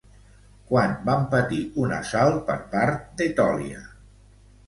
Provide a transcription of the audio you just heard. Quan van patir un assalt per part d'Etòlia?